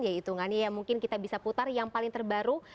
yaitu ngania mungkin kita bisa putar yang paling terbaru